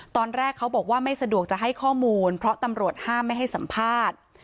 ตอนแรกเขาบอกว่าไม่สะดวกจะให้ข้อมูลเพราะตำรวจห้ามไม่ให้สัมภาษณ์